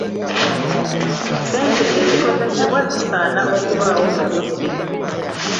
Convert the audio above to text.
Ssente ezikozesebwa zisaana okubaawo mu budde.